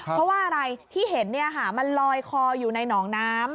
เพราะว่าอะไรที่เห็นเนี่ยค่ะมันลอยคออยู่ในน้องน้ำ